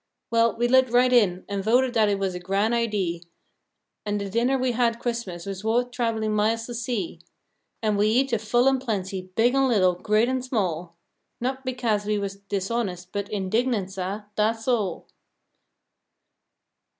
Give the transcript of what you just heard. Well, we lit right in an' voted dat it was a gran idee, An' de dinneh we had Christmas was worth trabblin' miles to see; An' we eat a full an' plenty, big an' little, great an' small, Not beca'se we was dishonest, but indignant, sah. Dat's all.